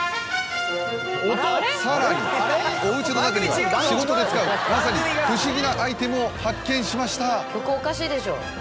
さらにおうちの中には仕事で使うまさに不思議なアイテムを発見しました。